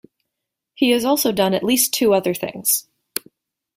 He has also done at least two other things.